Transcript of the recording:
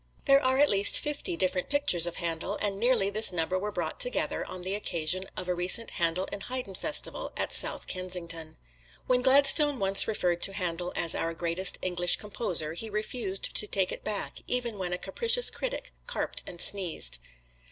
There are at least fifty different pictures of Handel, and nearly this number were brought together, on the occasion of a recent Handel and Haydn Festival, at South Kensington. When Gladstone once referred to Handel as our greatest English Composer, he refused to take it back even when a capricious critic carped and sneezed.